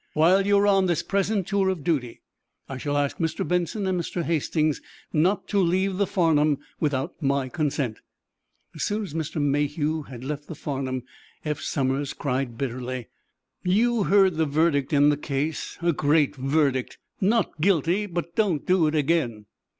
"While you are on this present tour of duty, I shall ask Mr. Benson and Mr. Hastings not to leave the 'Farnum' without my consent." As soon as Mr. Mayhew had left the "Farnum" Eph Somers cried bitterly: "You heard the verdict in the case! A great verdict! Not guilty—but don't do it again!"